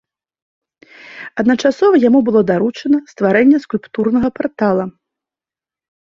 Адначасова яму было даручана стварэнне скульптурнага партала.